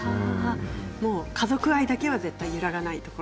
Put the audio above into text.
家族愛だけは絶対に揺らがない。